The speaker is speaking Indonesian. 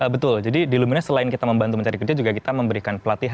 betul jadi di lumina selain kita membantu mencari kerja juga kita memberikan pelatihan